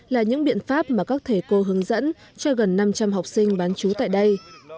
là những biện pháp mà các thầy cô hướng dẫn cho gần năm trăm linh học sinh bán chú tại đây